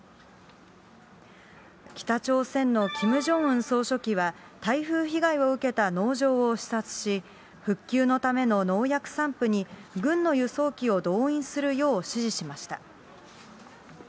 北朝鮮のキム・ジョンウン総書記は、台風被害を受けた農場を視察し、復旧のための農薬散布に、軍の輸送機を動員するよう指示しました。